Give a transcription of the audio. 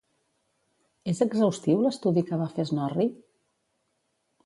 És exhaustiu l'estudi que va fer Snorri?